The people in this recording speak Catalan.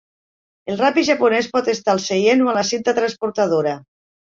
El rave japonès pot estar al seient o a la cinta transportadora.